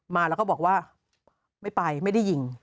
มาแล้วก็บอกว่าไม่ไปไม่ได้ยิง